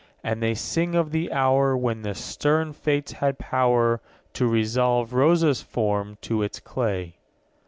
And they sing of the hour When the stern fates had power To resolve Rosa's form to its clay.